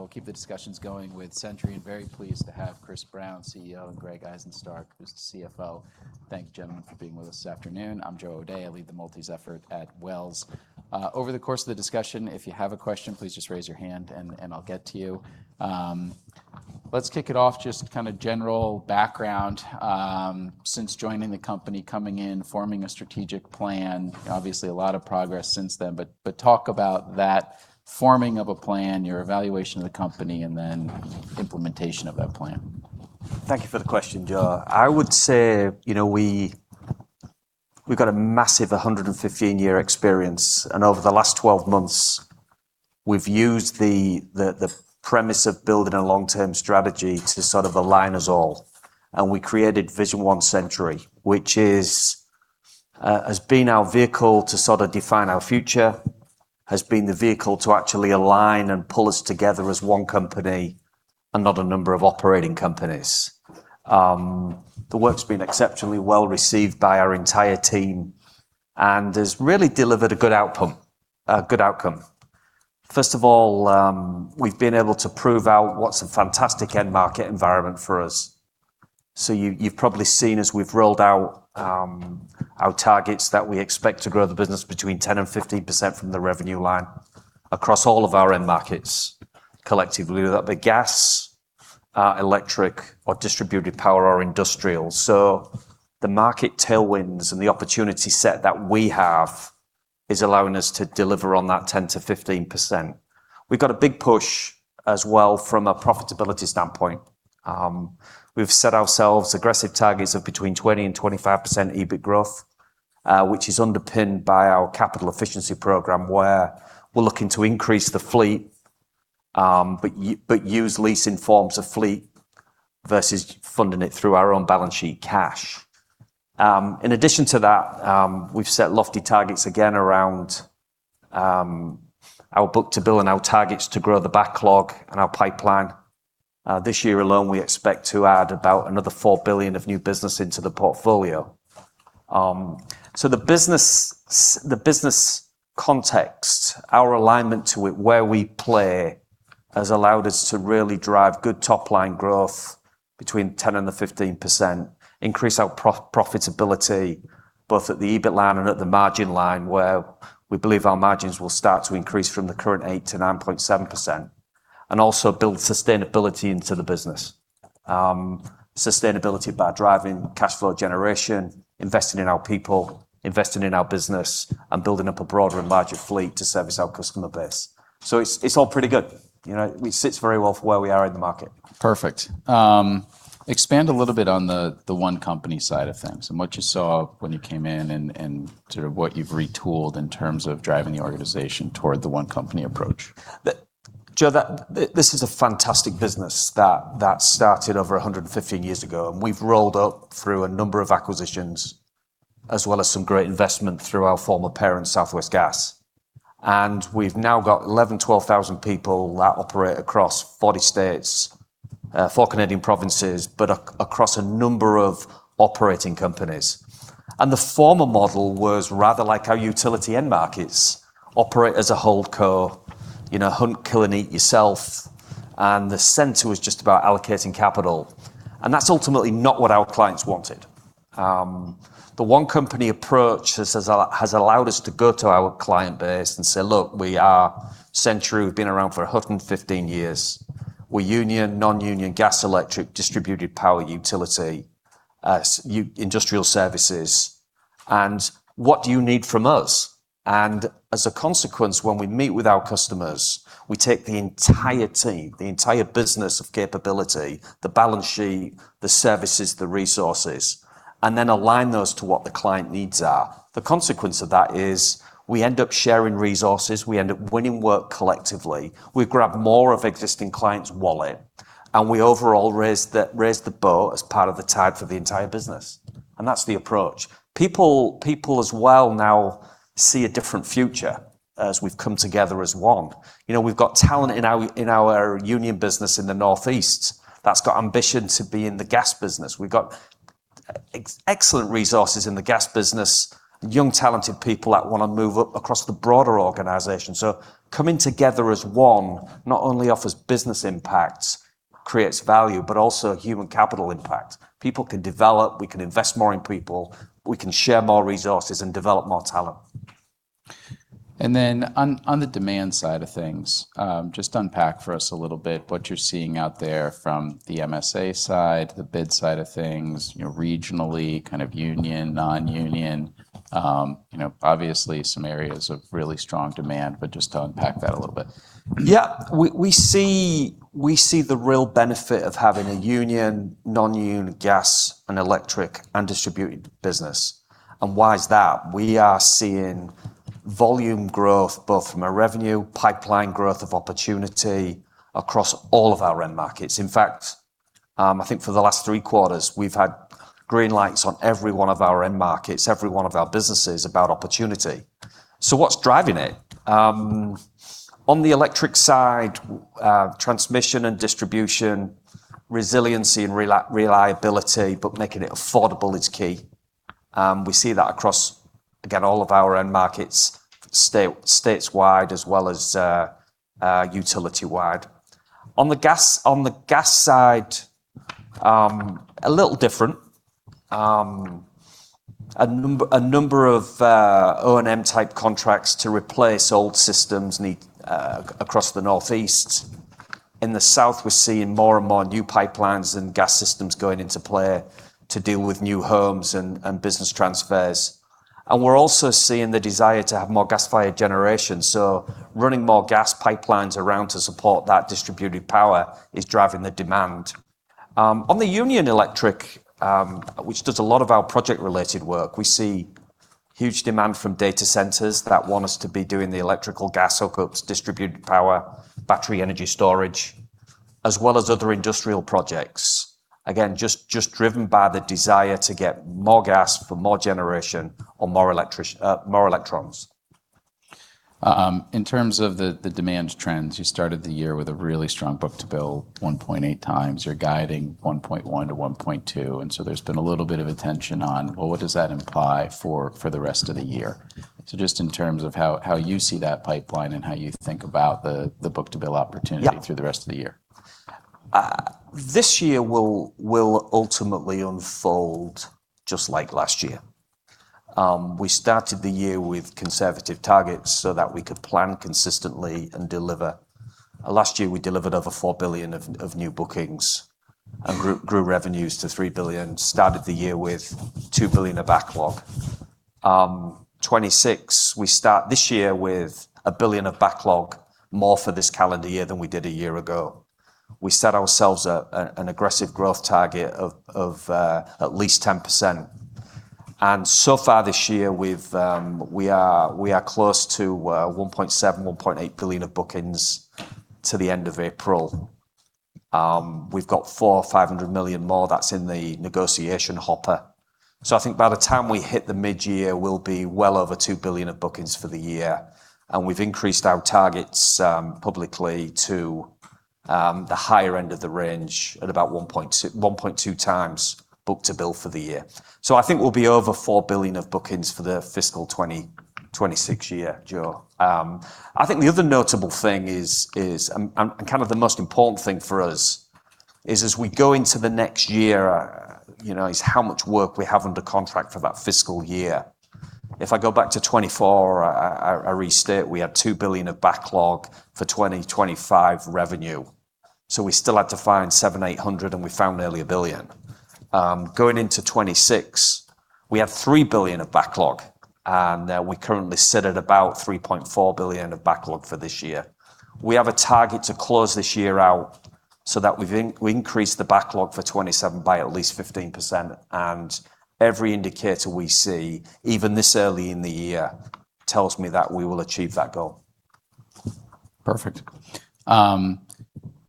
We'll keep the discussions going with Centuri, very pleased to have Chris Brown, CEO, and Greg Izenstark, who's the CFO. Thank you, gentlemen, for being with us this afternoon. I'm Joe O'Dea, I lead the multis effort at Wells Fargo. Over the course of the discussion, if you have a question, please just raise your hand and I'll get to you. Let's kick it off, just general background. Since joining the company, coming in, forming a strategic plan, obviously a lot of progress since then. Talk about that forming of a plan, your evaluation of the company, and then implementation of that plan. Thank you for the question, Joe. I would say, we've got a massive 115-year experience, over the last 12 months we've used the premise of building a long-term strategy to sort of align us all. We created Vision One Centuri, which has been our vehicle to sort of define our future, has been the vehicle to actually align and pull us together as one company and not a number of operating companies. The work's been exceptionally well-received by our entire team and has really delivered a good outcome. First of all, we've been able to prove out what's a fantastic end market environment for us. You've probably seen as we've rolled out our targets that we expect to grow the business between 10%-15% from the revenue line across all of our end markets collectively, whether that be gas, electric or distributed power or industrial. The market tailwinds and the opportunity set that we have is allowing us to deliver on that 10%-15%. We've got a big push as well from a profitability standpoint. We've set ourselves aggressive targets of between 20%-25% EBIT growth, which is underpinned by our capital efficiency program, where we're looking to increase the fleet, but use leasing forms of fleet versus funding it through our own balance sheet cash. In addition to that, we've set lofty targets again around our book-to-bill and our targets to grow the backlog and our pipeline. This year alone, we expect to add about another $4 billion of new business into the portfolio. The business context, our alignment to it, where we play, has allowed us to really drive good top-line growth between 10%-15%, increase our profitability, both at the EBIT line and at the margin line, where we believe our margins will start to increase from the current 8%-9.7%, and also build sustainability into the business. Sustainability by driving cash flow generation, investing in our people, investing in our business, and building up a broader and larger fleet to service our customer base. It's all pretty good. It sits very well for where we are in the market. Perfect. Expand a little bit on the One Company side of things and what you saw when you came in, and sort of what you've retooled in terms of driving the organization toward the One Company approach. Joe, this is a fantastic business that started over 115 years ago. We've rolled up through a number of acquisitions as well as some great investment through our former parent, Southwest Gas. We've now got 11,000-12,000 people that operate across 40 states, four Canadian provinces, but across a number of operating companies. The former model was rather like our utility end markets operate as a holdco, hunt, kill, and eat yourself, and the center was just about allocating capital. That's ultimately not what our clients wanted. The One Company approach has allowed us to go to our client base and say, "Look, we are Centuri, we've been around for 115 years. We're union, non-union, gas, electric, distributed power, utility, industrial services. What do you need from us?" As a consequence, when we meet with our customers, we take the entire team, the entire business of capability, the balance sheet, the services, the resources, and then align those to what the client needs are. The consequence of that is we end up sharing resources, we end up winning work collectively. We grab more of existing clients' wallet, and we overall raise the bar as part of the tide for the entire business. That's the approach. People as well now see a different future as we've come together as One. We've got talent in our union business in the Northeast that's got ambition to be in the gas business. We've got excellent resources in the gas business, young, talented people that want to move up across the broader organization. Coming together as one not only offers business impacts, creates value, but also human capital impact. People can develop, we can invest more in people, we can share more resources, and develop more talent. On the demand side of things, just unpack for us a little bit what you're seeing out there from the MSA side, the bid side of things, regionally, kind of union, non-union. Obviously some areas of really strong demand, just to unpack that a little bit. Yeah. We see the real benefit of having a union, non-union gas and electric and distributed business. Why is that? We are seeing volume growth both from a revenue pipeline growth of opportunity across all of our end markets. In fact, I think for the last three quarters we've had green lights on every one of our end markets, every one of our businesses about opportunity. What's driving it? On the electric side, transmission and distribution, resiliency and reliability, making it affordable is key. And we see that across, again, all of our end markets, states wide as well as utility wide. On the gas side, a little different. A number of O&M type contracts to replace old systems across the Northeast. In the South, we're seeing more and more new pipelines and gas systems going into play to deal with new homes and business transfers. We're also seeing the desire to have more gas-fired generation. Running more gas pipelines around to support that distributed power is driving the demand. On the Union Electric, which does a lot of our project-related work, we see huge demand from data centers that want us to be doing the electrical gas hookups, distributed power, battery energy storage, as well as other industrial projects. Again, just driven by the desire to get more gas for more generation or more electrons. In terms of the demand trends, you started the year with a really strong book-to-bill, 1.8x. You're guiding 1.1x-1.2x, there's been a little bit of attention on, well, what does that imply for the rest of the year? Just in terms of how you see that pipeline and how you think about the book-to-bill opportunity. Yep Through the rest of the year. This year will ultimately unfold just like last year. We started the year with conservative targets so that we could plan consistently and deliver. Last year, we delivered over $4 billion of new bookings and grew revenues to $3 billion, started the year with $2 billion of backlog. 2026, we start this year with $6.5 Billion of backlog, more for this calendar year than we did a year ago. We set ourselves an aggressive growth target of at least 10%. So far this year, we are close to $1.7 billion, $1.8 billion of bookings to the end of April. We've got $400 million or $500 million more that's in the negotiation hopper. I think by the time we hit the mid-year, we'll be well over $2 billion of bookings for the year, and we've increased our targets publicly to the higher end of the range at about 1.2x book-to-bill for the year. I think we'll be over $4 billion of bookings for the fiscal 2026 year, Joe. I think the other notable thing is, and kind of the most important thing for us is, as we go into the next year, is how much work we have under contract for that fiscal year. If I go back to 2024, I restate we had $2 billion of backlog for 2025 revenue, so we still had to find $700 million, $800 million, and we found nearly $1 billion. Going into 2026, we have $3 billion of backlog, and we currently sit at about $3.4 billion of backlog for this year. We have a target to close this year out so that we increase the backlog for 2027 by at least 15%. Every indicator we see, even this early in the year, tells me that we will achieve that goal. Perfect.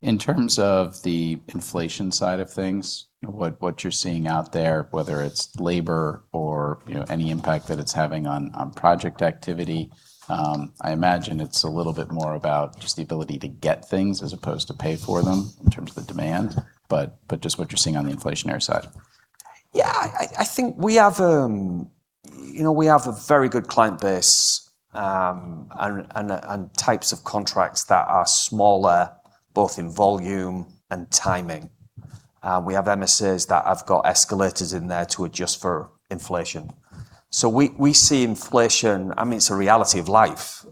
In terms of the inflation side of things, what you're seeing out there, whether it's labor or any impact that it's having on project activity, I imagine it's a little bit more about just the ability to get things as opposed to pay for them in terms of the demand, just what you're seeing on the inflationary side. Yeah, I think we have a very good client base, types of contracts that are smaller, both in volume and timing. We have MSAs that have got escalators in there to adjust for inflation. We see inflation, it's a reality of life.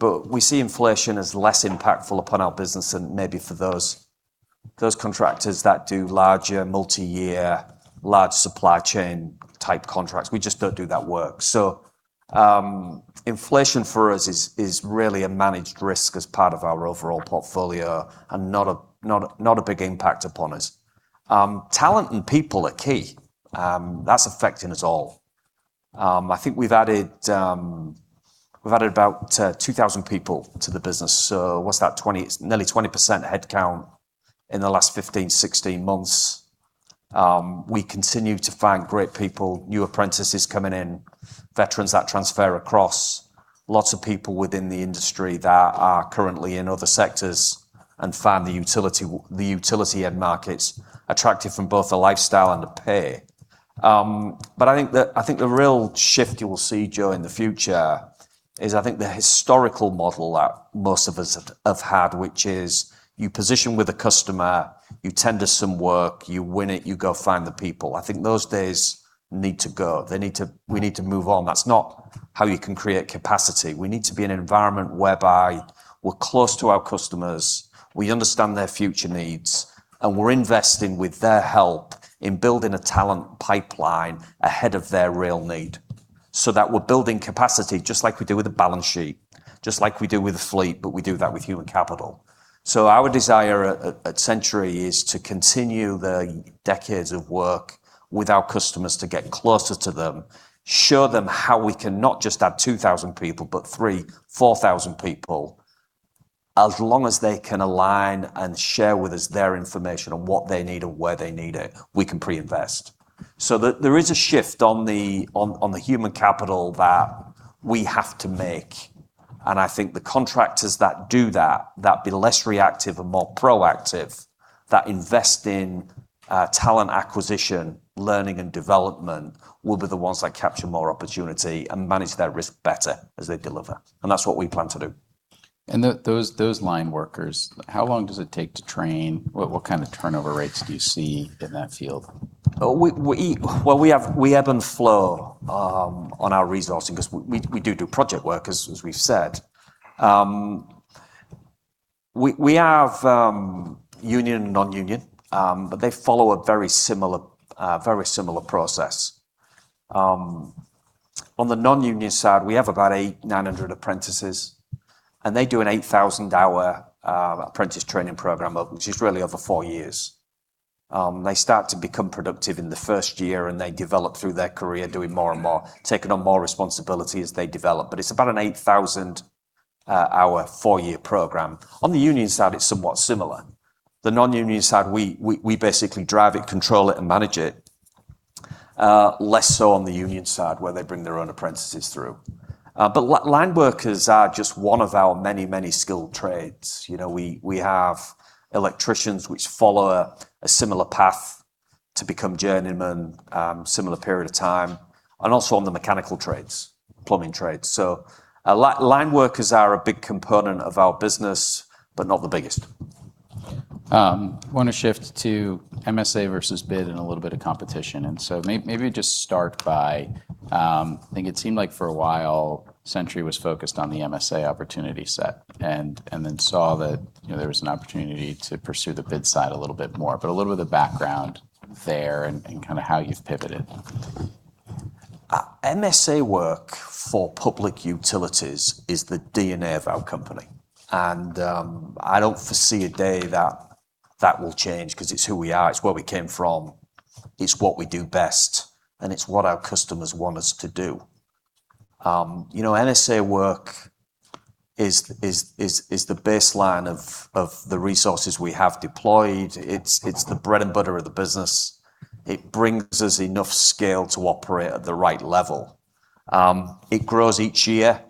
We see inflation as less impactful upon our business than maybe for those contractors that do larger, multi-year, large supply chain type contracts. We just don't do that work. Inflation for us is really a managed risk as part of our overall portfolio and not a big impact upon us. Talent and people are key. That's affecting us all. I think we've added about 2,000 people to the business, so what's that, nearly 20% headcount in the last 15 months, 16 months. We continue to find great people, new apprentices coming in, veterans that transfer across, lots of people within the industry that are currently in other sectors and find the utility end markets attractive from both the lifestyle and the pay. I think the real shift you will see, Joe, in the future is, I think, the historical model that most of us have had, which is you position with a customer, you tender some work, you win it, you go find the people. I think those days need to go. We need to move on. That's not how you can create capacity. We need to be an environment whereby we're close to our customers, we understand their future needs, we're investing with their help in building a talent pipeline ahead of their real need so that we're building capacity, just like we do with a balance sheet, just like we do with a fleet, we do that with human capital. Our desire at Centuri is to continue the decades of work with our customers to get closer to them, show them how we can not just add 2,000 people, but 3,000, 4,000 people. As long as they can align and share with us their information on what they need and where they need it, we can pre-invest. There is a shift on the human capital that we have to make. I think the contractors that do that will be less reactive and more proactive, that invest in talent acquisition, learning, and development, will be the ones that capture more opportunity and manage their risk better as they deliver. That's what we plan to do. Those line workers, how long does it take to train? What kind of turnover rates do you see in that field? Well, we have ebb and flow on our resourcing because we do project work, as we've said. We have union and non-union, but they follow a very similar process. On the non-union side, we have about 800, 900 apprentices, and they do an 8,000-hour apprentice training program, which is really over four years. They start to become productive in the first year, and they develop through their career doing more and more, taking on more responsibility as they develop. It's about an 8,000-hour, four-year program. On the union side, it's somewhat similar. The non-union side, we basically drive it, control it, and manage it. Less so on the union side, where they bring their own apprentices through. Line workers are just one of our many skilled trades. We have electricians which follow a similar path to become journeymen, similar period of time, and also on the mechanical trades, plumbing trades. Line workers are a big component of our business, but not the biggest. I want to shift to MSA versus bid and a little bit of competition. Maybe just start by, I think it seemed like for a while, Centuri was focused on the MSA opportunity set and then saw that there was an opportunity to pursue the bid side a little bit more, but a little bit of background there and how you've pivoted. MSA work for public utilities is the DNA of our company. I don't foresee a day that will change because it's who we are, it's where we came from, it's what we do best, and it's what our customers want us to do. MSA work is the baseline of the resources we have deployed. It's the bread and butter of the business. It brings us enough scale to operate at the right level. It grows each year.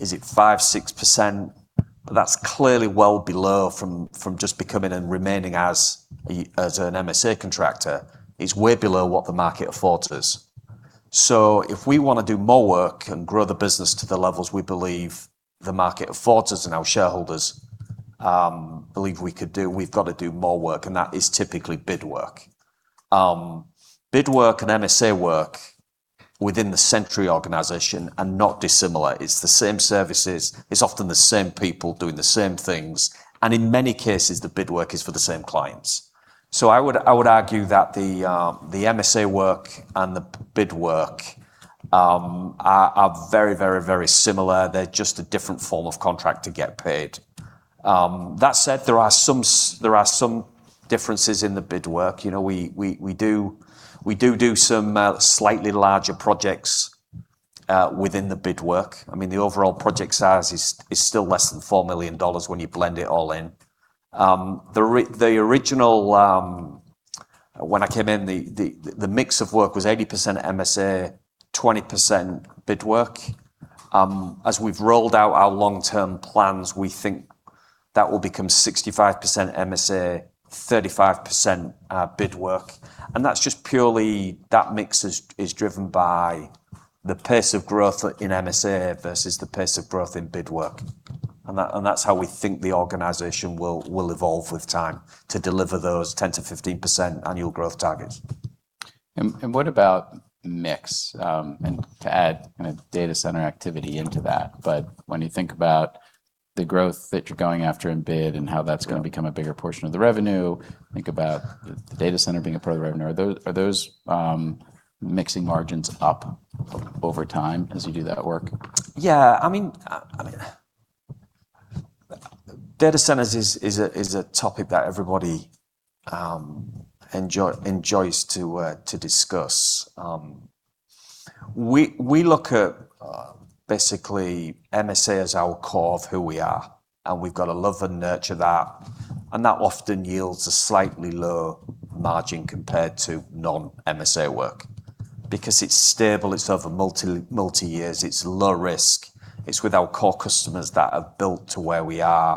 Is it 5%, 6%? That's clearly well below from just becoming and remaining as an MSA contractor. It's way below what the market affords us. If we want to do more work and grow the business to the levels we believe the market affords us and our shareholders believe we could do, we've got to do more work, and that is typically bid work. Bid work and MSA work within the Centuri organization are not dissimilar. It's the same services, it's often the same people doing the same things, and in many cases, the bid work is for the same clients. I would argue that the MSA work and the bid work are very similar. They're just a different form of contract to get paid. That said, there are some differences in the bid work. We do some slightly larger projects within the bid work. The overall project size is still less than $4 million when you blend it all in. When I came in, the mix of work was 80% MSA, 20% bid work. As we've rolled out our long-term plans, we think that will become 65% MSA, 35% bid work, and that's just purely that mix is driven by the pace of growth in MSA versus the pace of growth in bid work. That's how we think the organization will evolve with time to deliver those 10%-15% annual growth targets. What about mix? To add data center activity into that, but when you think about the growth that you're going after in bid and how that's going to become a bigger portion of the revenue, think about the data center being a part of the revenue. Are those mixing margins up over time as you do that work? Yeah. Data centers is a topic that everybody enjoys to discuss. We look at basically MSA as our core of who we are, and we've got to love and nurture that, and that often yields a slightly lower margin compared to non-MSA work because it's stable, it's over multi-years, it's low risk. It's with our core customers that have built us to where we are.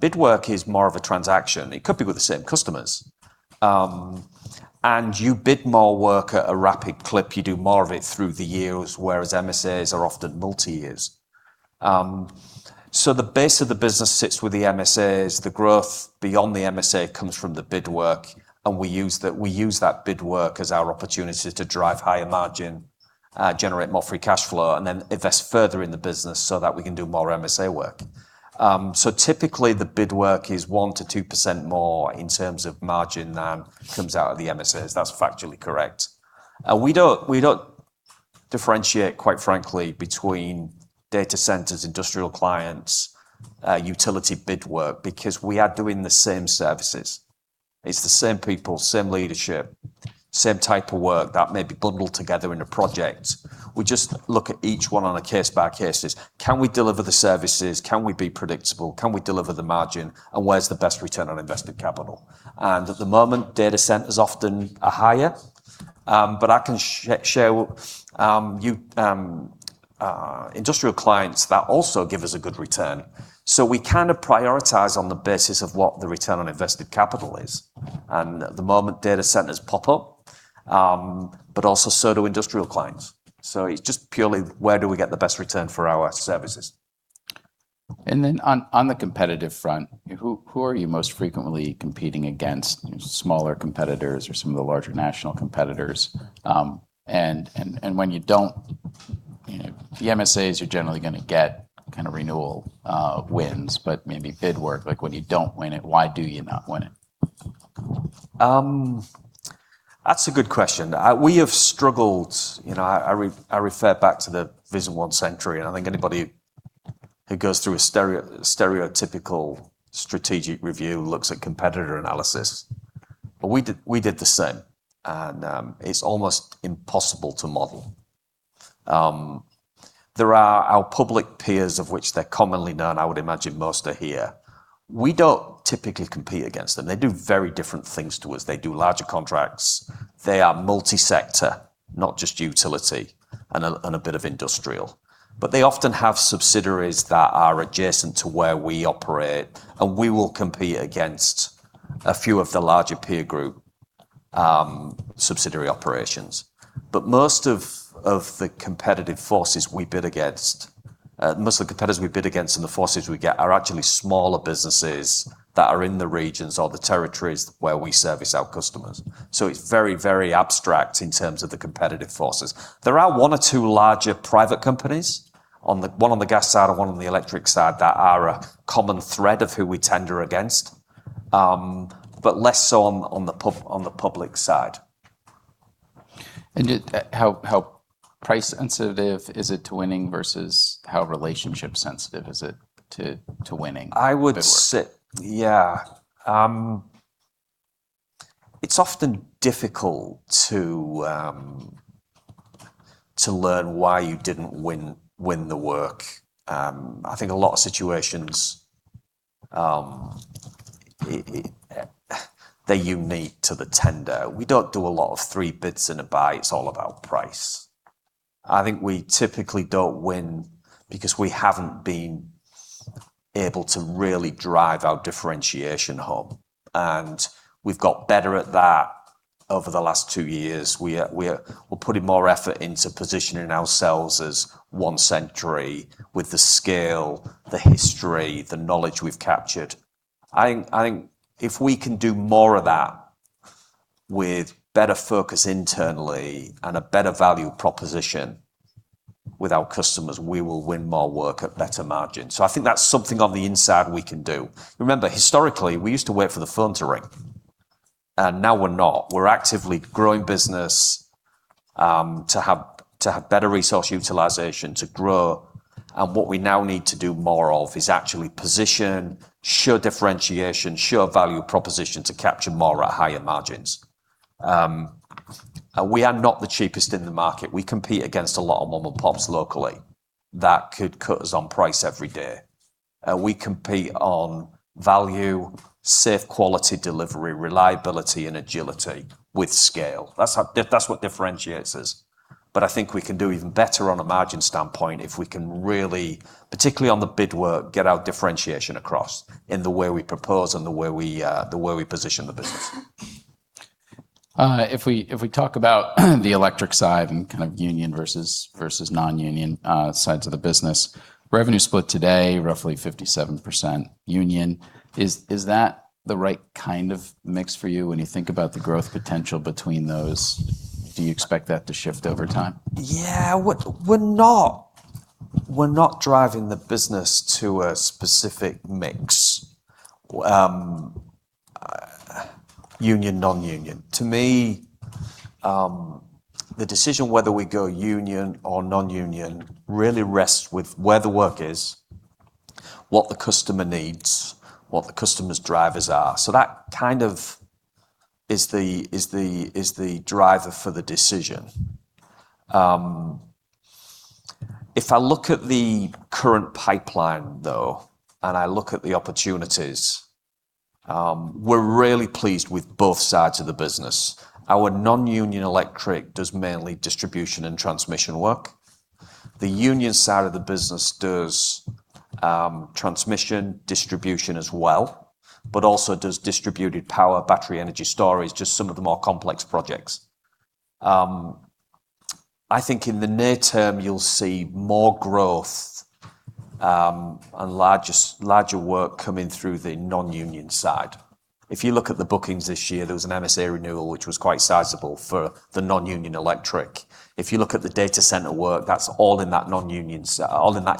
Bid work is more of a transaction. It could be with the same customers. You bid more work at a rapid clip, you do more of it through the years, whereas MSAs are often multi-years. The base of the business sits with the MSAs. The growth beyond the MSA comes from the bid work, and we use that bid work as our opportunity to drive higher margin, generate more free cash flow, and then invest further in the business so that we can do more MSA work. Typically, the bid work is 1%-2% more in terms of margin than comes out of the MSAs. That's factually correct. We don't differentiate, quite frankly, between data centers, industrial clients, utility bid work, because we are doing the same services. It's the same people, same leadership, same type of work that may be bundled together in a project. We just look at each one on a case-by-case basis. Can we deliver the services? Can we be predictable? Can we deliver the margin? Where's the best return on invested capital? At the moment, data centers often are higher. I can share industrial clients that also give us a good return. We kind of prioritize on the basis of what the return on invested capital is. At the moment, data centers pop up, but also so do industrial clients. It's just purely where do we get the best return for our services. Who are you most frequently competing against? Smaller competitors or some of the larger national competitors? When you don't win the MSAs, you're generally going to get renewal wins, but maybe bid work, like when you don't win it, why do you not win it? That's a good question. We have struggled. I refer back to the Vision One Centuri, I think anybody who goes through a stereotypical strategic review looks at competitor analysis. We did the same. It's almost impossible to model. There are our public peers, of which they're commonly known. I would imagine most are here. We don't typically compete against them. They do very different things to us. They do larger contracts. They are multi-sector, not just utility and a bit of industrial. They often have subsidiaries that are adjacent to where we operate, and we will compete against a few of the larger peer group subsidiary operations. Most of the competitors we bid against and the forces we get are actually smaller businesses that are in the regions or the territories where we service our customers. It's very abstract in terms of the competitive forces. There are one or two larger private companies, one on the gas side and one on the electric side, that are a common thread of who we tender against, but less so on the public side. How price sensitive is it to winning versus how relationship sensitive is it to winning? Yeah. It's often difficult to learn why you didn't win the work. I think a lot of situations, they're unique to the tender. We don't do a lot of three bids and a buy. It's all about price. I think we typically don't win because we haven't been able to really drive our differentiation home, and we've got better at that over the last two years. We're putting more effort into positioning ourselves as One Centuri with the scale, the history, the knowledge we've captured. I think if we can do more of that with better focus internally and a better value proposition with our customers, we will win more work at better margins. I think that's something on the inside we can do. Remember, historically, we used to wait for the phone to ring, and now we're not. We're actively growing business to have better resource utilization to grow. What we now need to do more of is actually position, show differentiation, show value proposition to capture more at higher margins. We are not the cheapest in the market. We compete against a lot of mom and pops locally that could cut us on price every day. We compete on value, safe quality delivery, reliability, and agility with scale. That's what differentiates us. I think we can do even better on a margin standpoint if we can really, particularly on the bid work, get our differentiation across in the way we propose and the way we position the business. If we talk about the electric side and kind of union versus non-union sides of the business, revenue split today, roughly 57% union. Is that the right kind of mix for you when you think about the growth potential between those? Do you expect that to shift over time? Yeah. We're not driving the business to a specific mix, union, non-union. To me, the decision whether we go union or non-union really rests with where the work is, what the customer needs, what the customer's drivers are. That kind of is the driver for the decision. If I look at the current pipeline, though, and I look at the opportunities, we're really pleased with both sides of the business. Our non-union electric does mainly distribution and transmission work. The union side of the business does transmission, distribution as well, but also does distributed power, battery energy storage, just some of the more complex projects. I think in the near term, you'll see more growth and larger work coming through the non-union side. If you look at the bookings this year, there was an MSA renewal, which was quite sizable for the non-union electric. If you look at the data center work, that's all in that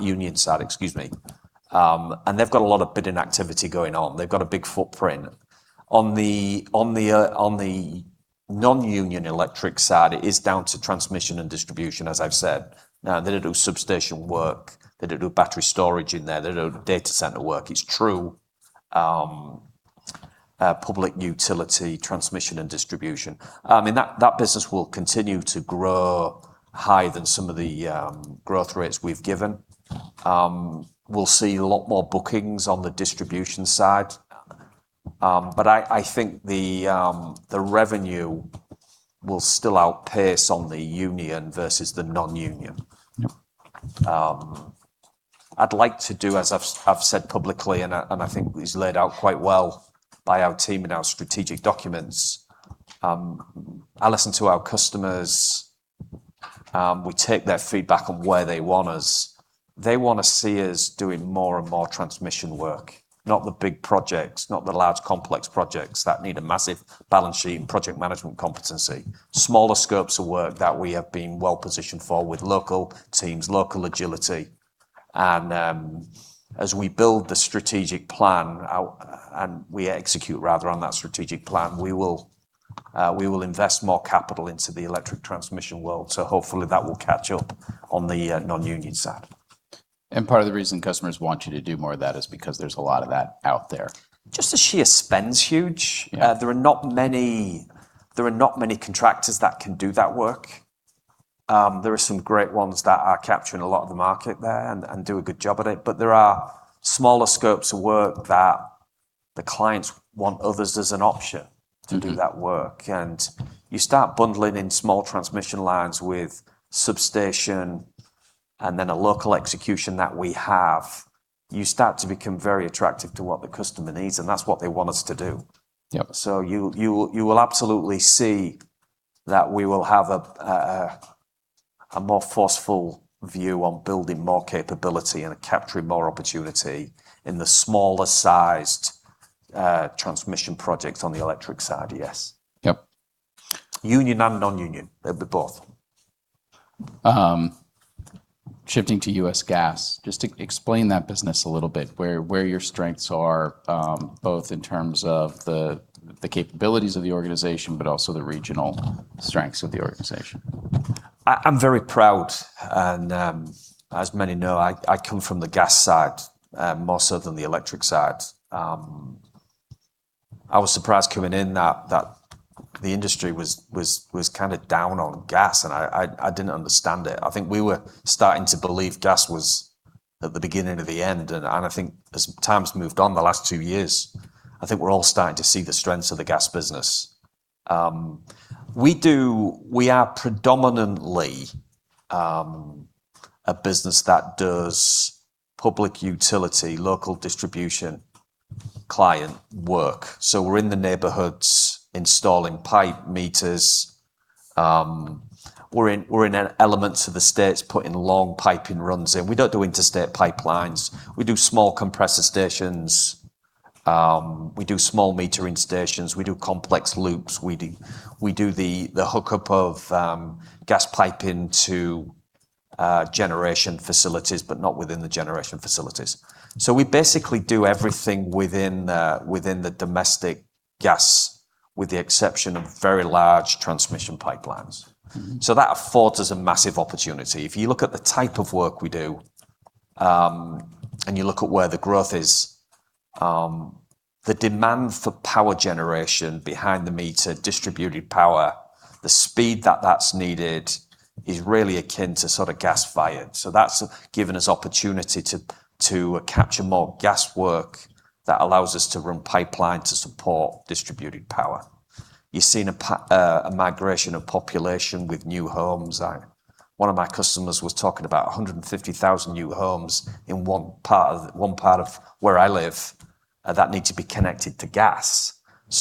union side. Excuse me. They've got a lot of bidding activity going on. They've got a big footprint. On the non-union electric side, it is down to transmission and distribution, as I've said. They don't do substation work. They don't do battery storage in there. They don't do data center work. It's true public utility transmission and distribution. That business will continue to grow higher than some of the growth rates we've given. We'll see a lot more bookings on the distribution side. I think the revenue will still outpace on the union versus the non-union. Yep. I'd like to do, as I've said publicly, I think is laid out quite well by our team in our strategic documents. I listen to our customers. We take their feedback on where they want us. They want to see us doing more and more transmission work. Not the big projects, not the large complex projects that need a massive balance sheet and project management competency. Smaller scopes of work that we have been well-positioned for with local teams, local agility. As we build the strategic plan out and we execute rather on that strategic plan, we will invest more capital into the electric transmission world. Hopefully that will catch up on the non-union side. Part of the reason customers want you to do more of that is because there's a lot of that out there. Just the sheer spend's huge. Yeah. There are not many contractors that can do that work. There are some great ones that are capturing a lot of the market there and do a good job at it, but there are smaller scopes of work that the clients want others as an option to do that work. You start bundling in small transmission lines with substation and then a local execution that we have, you start to become very attractive to what the customer needs, and that's what they want us to do. Yep. You will absolutely see that we will have a more forceful view on building more capability and capturing more opportunity in the smaller sized transmission projects on the electric side, yes. Yep. Union and non-union. They'll be both. Shifting to U.S. gas, just explain that business a little bit, where your strengths are both in terms of the capabilities of the organization, but also the regional strengths of the organization. I'm very proud. As many know, I come from the gas side more so than the electric side. I was surprised coming in that the industry was kind of down on gas, and I didn't understand it. I think we were starting to believe gas was at the beginning of the end, and I think as time's moved on the last two years, I think we're all starting to see the strengths of the gas business. We are predominantly a business that does public utility, local distribution client work. We're in the neighborhoods installing pipe meters. We're in elements of the states putting long piping runs in. We don't do interstate pipelines. We do small compressor stations. We do small metering stations. We do complex loops. We do the hookup of gas piping to generation facilities, but not within the generation facilities. We basically do everything within the domestic gas, with the exception of very large transmission pipelines. That affords us a massive opportunity. If you look at the type of work we do and you look at where the growth is, the demand for power generation behind the meter, distributed power, the speed that that's needed is really akin to sort of gas-fired. That's given us opportunity to capture more gas work that allows us to run pipeline to support distributed power. You're seeing a migration of population with new homes. One of my customers was talking about 150,000 new homes in one part of where I live that need to be connected to gas.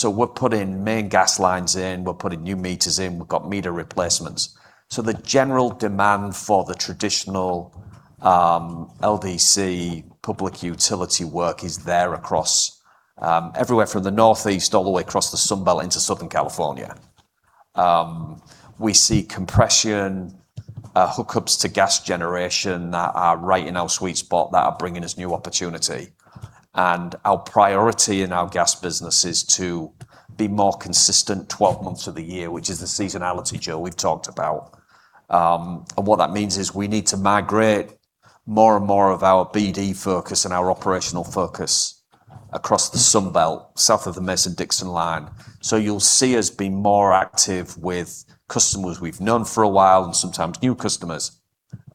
We're putting main gas lines in, we're putting new meters in. We've got meter replacements. The general demand for the traditional LDC public utility work is there across everywhere from the Northeast all the way across the Sun Belt into Southern California. We see compression hookups to gas generation that are right in our sweet spot that are bringing us new opportunity. Our priority in our gas business is to be more consistent 12 months of the year, which is the seasonality, Joe, we've talked about. What that means is we need to migrate more and more of our BD focus and our operational focus across the Sun Belt, south of the Mason-Dixon line. You'll see us be more active with customers we've known for a while and sometimes new customers,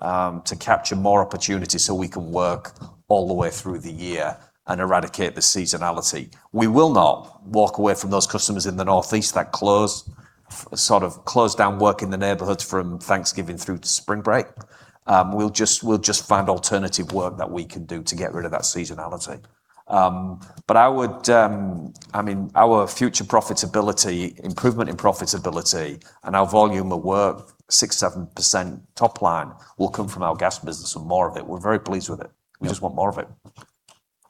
to capture more opportunity so we can work all the way through the year and eradicate the seasonality. We will not walk away from those customers in the Northeast that close down work in the neighborhoods from Thanksgiving through to spring break. We'll just find alternative work that we can do to get rid of that seasonality. Our future profitability, improvement in profitability and our volume of work, 6%-7% top line will come from our gas business and more of it. We're very pleased with it. Yeah. We just want more of it.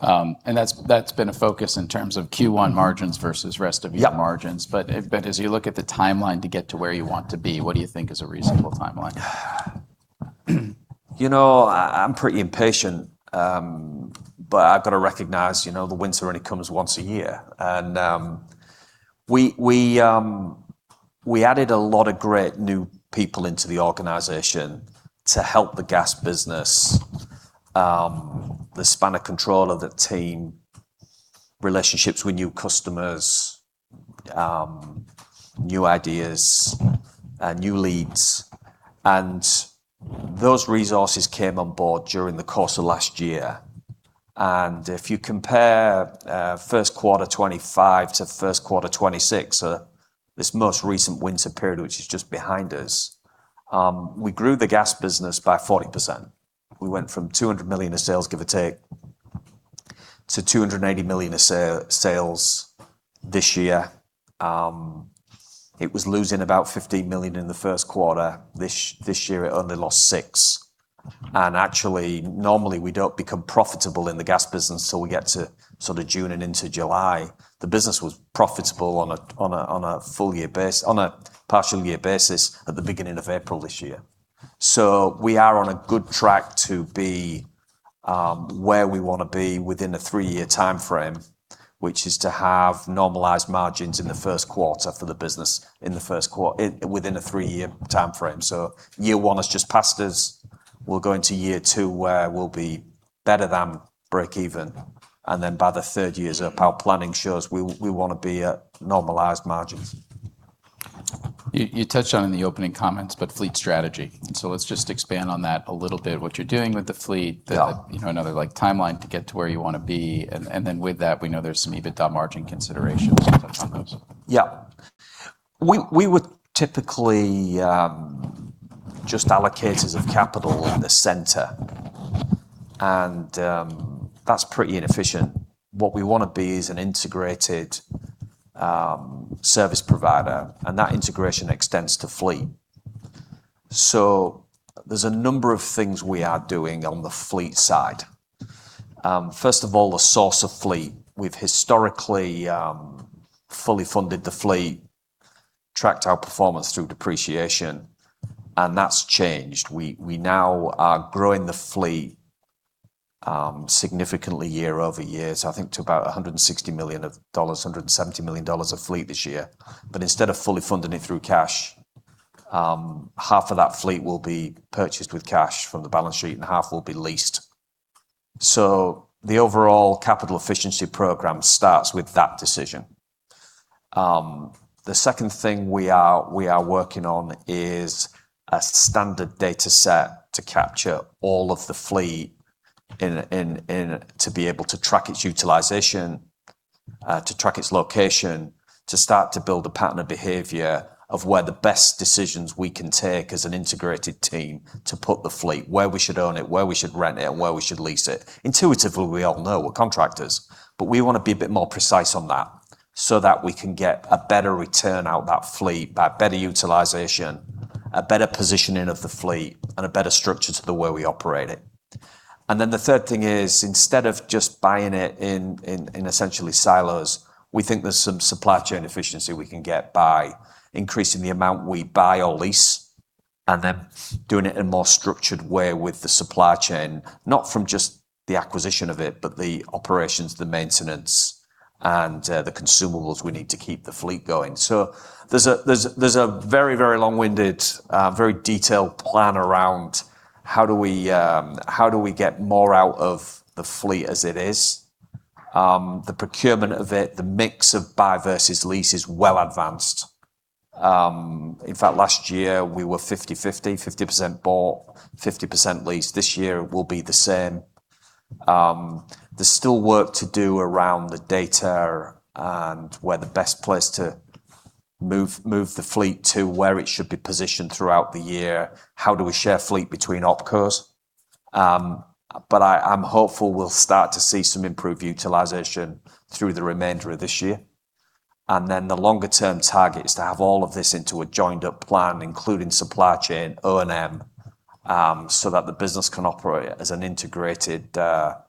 That's been a focus in terms of Q1 margins versus rest of year margins. Yep. As you look at the timeline to get to where you want to be, what do you think is a reasonable timeline? You know I'm pretty impatient, but I've got to recognize the winter only comes once a year. We added a lot of great new people into the organization to help the gas business, the span of control of the team, relationships with new customers, new ideas and new leads. Those resources came on board during the course of last year. If you compare first quarter 2025 to first quarter 2026, so this most recent winter period, which is just behind us, we grew the gas business by 40%. We went from $200 million of sales, give or take, to $280 million of sales this year. It was losing about $15 million in the first quarter. This year, it only lost $6. Actually, normally, we don't become profitable in the gas business till we get to June and into July. The business was profitable on a partial year basis at the beginning of April this year. We are on a good track to be where we want to be within a three-year timeframe, which is to have normalized margins in the first quarter for the business within a three-year timeframe. Year one has just passed us. We'll go into year two, where we'll be better than breakeven, and then by the third year is our planning shows we want to be at normalized margins. You touched on in the opening comments, fleet strategy. Let's just expand on that a little bit, what you're doing with the fleet. Yeah Another timeline to get to where you want to be. With that, we know there's some EBITDA margin considerations. Touch on those. Yeah. We were typically just allocators of capital in the center. That's pretty inefficient. What we want to be is an integrated service provider, and that integration extends to fleet. There's a number of things we are doing on the fleet side. First of all, the source of fleet. We've historically fully funded the fleet, tracked our performance through depreciation, and that's changed. We now are growing the fleet significantly year-over-year, to about $160 million-$170 million of fleet this year. Instead of fully funding it through cash, half of that fleet will be purchased with cash from the balance sheet and half will be leased. The overall capital efficiency program starts with that decision. The second thing we are working on is a standard data set to capture all of the fleet and to be able to track its utilization, to track its location, to start to build a pattern of behavior of where the best decisions we can take as an integrated team to put the fleet, where we should own it, where we should rent it, and where we should lease it. Intuitively, we all know we're contractors, but we want to be a bit more precise on that so that we can get a better return out of that fleet, by better utilization, a better positioning of the fleet, and a better structure to the way we operate it. The third thing is, instead of just buying it in essentially silos, we think there's some supply chain efficiency we can get by increasing the amount we buy or lease, and then doing it in a more structured way with the supply chain, not from just the acquisition of it, but the operations, the maintenance, and the consumables we need to keep the fleet going. There's a very long-winded, very detailed plan around how do we get more out of the fleet as it is. The procurement of it, the mix of buy versus lease is well advanced. In fact, last year, we were 50/50% bought, 50% leased. This year, it will be the same. There's still work to do around the data and where the best place to move the fleet to, where it should be positioned throughout the year. How do we share fleet between opcos? I'm hopeful we'll start to see some improved utilization through the remainder of this year. The longer term target is to have all of this into a joined-up plan, including supply chain, O&M, so that the business can operate as an integrated contractor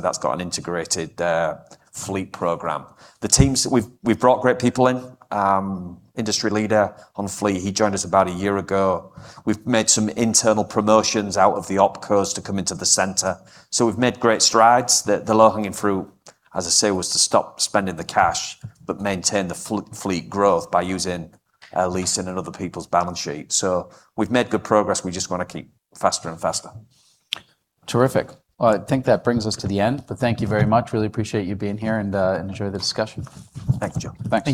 that's got an integrated fleet program. We've brought great people in. Industry leader on fleet, he joined us about a year ago. We've made some internal promotions out of the opcos to come into the center. We've made great strides. The low-hanging fruit, as I say, was to stop spending the cash but maintain the fleet growth by using leasing on other people's balance sheet. We've made good progress. We just want to keep faster and faster. Terrific. Well, I think that brings us to the end, but thank you very much. Really appreciate you being here and enjoy the discussion. Thank you, Joe. Thanks.